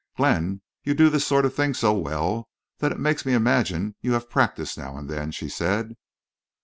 "Glenn, you do this sort of thing so well that it makes me imagine you have practice now and then," she said.